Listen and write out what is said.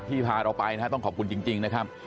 พาเราไปนะฮะต้องขอบคุณจริงนะครับ